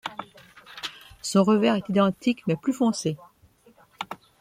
Son revers est identique mais plus foncé.